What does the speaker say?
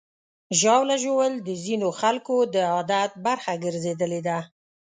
ژاوله ژوول د ځینو خلکو د عادت برخه ګرځېدلې ده.